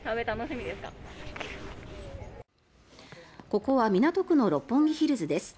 ここは港区の六本木ヒルズです。